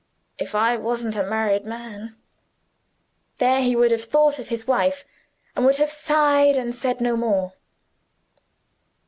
If I wasn't a married man " There he would have thought of his wife, and would have sighed and said no more.